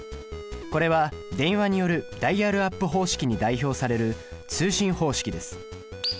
これは電話によるダイヤルアップ方式に代表される通信方式です。